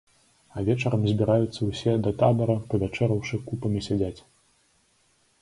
А вечарам збіраюцца ўсе да табара, павячэраўшы, купамі сядзяць.